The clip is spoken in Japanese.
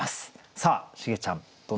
さあシゲちゃん